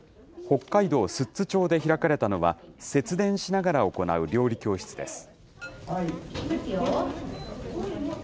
北海道寿都町で開かれたのは、節電しながら行う料理教室です。